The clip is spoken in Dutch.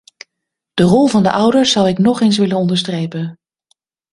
De rol van de ouders zou ik nog eens willen onderstrepen.